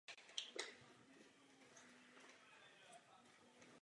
Evropa, kterou budujeme, znamená solidaritu i sebevědomí.